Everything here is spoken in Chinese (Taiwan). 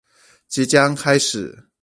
即將開始